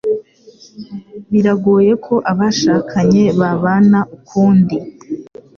Biragoye ko abashakanye babana ukundi.